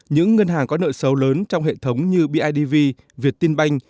những ngân hàng có nợ xấu lớn trong hệ thống như bidv việt tinbank